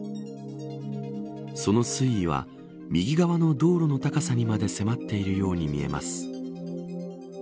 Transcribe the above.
その水位は右側の道路の高さにまで迫っているように見えます。